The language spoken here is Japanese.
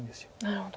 なるほど。